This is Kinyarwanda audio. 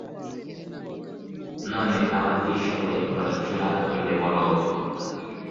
none abatishoboye baracura imiborogo!